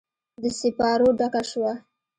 د سیپارو ډکه شوه